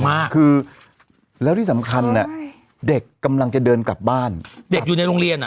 มากคือแล้วที่สำคัญอ่ะเด็กกำลังจะเดินกลับบ้านเด็กอยู่ในโรงเรียนอ่ะ